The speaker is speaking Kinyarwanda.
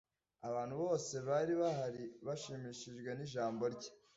Abantu bose bari bahari bashimishijwe nijambo rye.